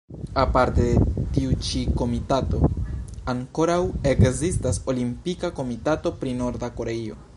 Aparte de tiu-ĉi komitato, ankoraŭ ekzistas Olimpika Komitato pri Norda Koreio.